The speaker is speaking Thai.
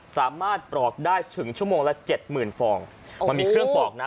ปลอกได้ถึงชั่วโมงละเจ็ดหมื่นฟองมันมีเครื่องปลอกนะ